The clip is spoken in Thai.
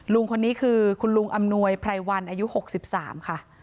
ลุงคนนี้คือคุณลุงอำนวยไพรวันอายุ๖๓ค่ะ